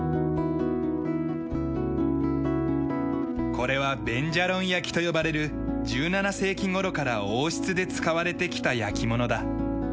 これはベンジャロン焼きと呼ばれる１７世紀頃から王室で使われてきた焼き物だ。